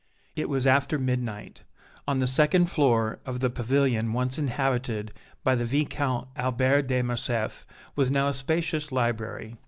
It was after midnight. On the second floor of the pavilion once inhabited by the Viscount Albert de Morcerf was now a spacious library.